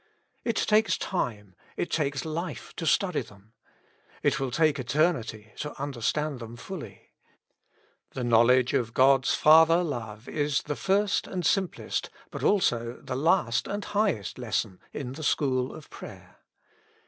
It takes time, it takes life to study them ; it will take eternity to understand them fully. The knowledge of God's Father love is the first and simplest, but also the last and highest lesson in the school of prayer.